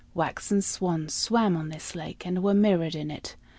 Waxen swans swam on this lake, and were mirrored in it.